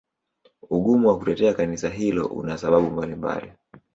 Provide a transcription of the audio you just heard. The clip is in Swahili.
Ugumu wa kutetea Kanisa hilo una sababu mbalimbali.